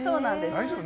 大丈夫？